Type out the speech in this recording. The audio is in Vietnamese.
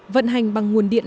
vận hành bằng nguồn điện lọc